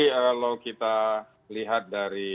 kalau kita lihat dari